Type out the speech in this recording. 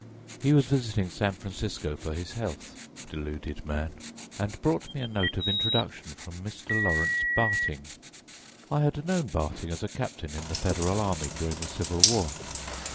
He was visiting San Francisco for his health, deluded man, and brought me a note of introduction from Mr. Lawrence Barting. I had known Barting as a captain in the Federal army during the civil war.